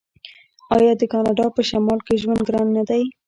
آیا د کاناډا په شمال کې ژوند ګران نه دی؟